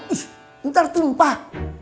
ih ntar tumpah